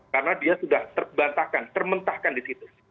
karena dia sudah terbantahkan termentahkan di situ